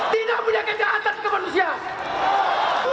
tidak punya kejahatan kemanusiaan